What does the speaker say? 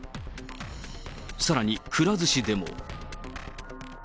さらにくら寿司でも。